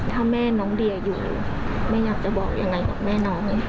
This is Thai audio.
ถ้าแม่น้องเดียอยู่แม่อยากจะบอกยังไงกับแม่น้อง